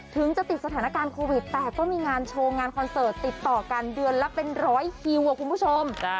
ถึงจะติดสถานการณ์โควิดแต่ก็มีงานโชว์งานคอนเสิร์ตติดต่อกันเดือนละเป็นร้อยคิวคุณผู้ชม